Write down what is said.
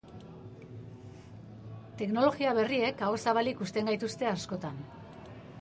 Teknologia berriek ahozabalik uzten gaituzte askotan.